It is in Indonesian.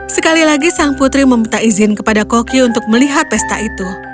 sekali lagi sang putri meminta izin kepada koki untuk melihat pesta itu